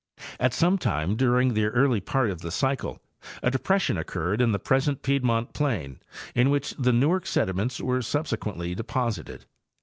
At some time during the early part of the cycle a depression occurred in the present piedmont plain, in which the Newark sediments were subsequently deposited.